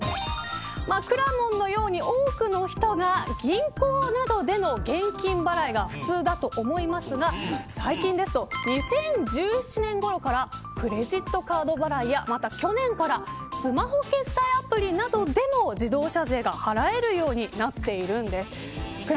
くらもんのように多くの人が銀行などでの現金払いが普通だと思いますが最近ですと、２０１７年ごろからクレジットカード払いやまた、去年からスマホ決済アプリなどでも自動車税が払えるようになっているんです。